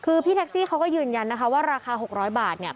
คือพี่แท็กซี่เขาก็ยืนยันนะคะว่าราคา๖๐๐บาทเนี่ย